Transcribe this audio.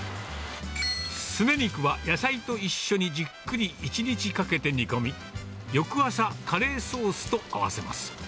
すね肉は野菜と一緒にじっくり１日かけて煮込み、翌朝、カレーソースと合わせます。